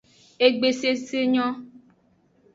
Egbe sese nyo.